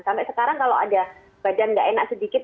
sampai sekarang kalau ada badan nggak enak sedikit